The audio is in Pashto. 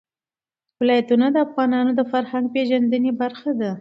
ولایتونه د افغانانو د فرهنګي پیژندنې برخه ده.